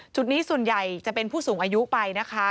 จุดนี้ส่วนใหญ่จะเป็นผู้สูงอายุไปนะคะ